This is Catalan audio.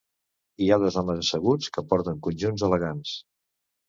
Hi ha dos homes asseguts que porten conjunts elegants.